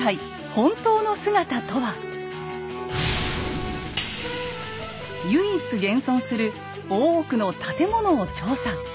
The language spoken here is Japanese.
本当の姿とは⁉唯一現存する大奥の建物を調査。